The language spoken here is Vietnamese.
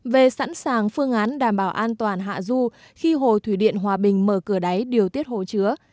về sẵn sàng phương án đảm bảo an toàn hạ du khi hồ thủy điện hòa bình mở cửa đáy điều tiết hồ chứa